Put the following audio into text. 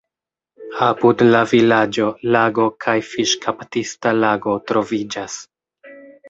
Apud la vilaĝo lago kaj fiŝkaptista lago troviĝas.